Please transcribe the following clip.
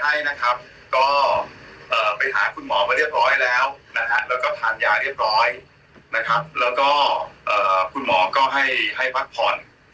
วันนี้พี่หนุ่มไอล์แบบนั่งไข่ห้างเยอะเดี๋ยวแบบเลือดมันไม่ไหลเวียนไปไม่โฟ